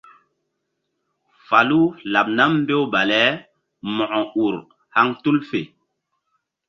Falu laɓ nam mbew bale Mo̧ko ur haŋ tul fe.